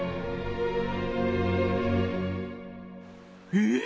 えっ？